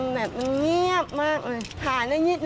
น้ำเบียบน้ำเบียบ